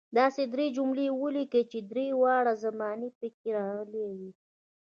داسې درې جملې ولیکئ چې درې واړه زمانې پکې راغلي وي.